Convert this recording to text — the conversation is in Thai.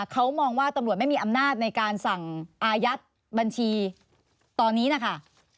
เขามองว่าตำรวจไม่มีอำนาจในการสั่งอายัดบัญชีตอนนี้นะคะ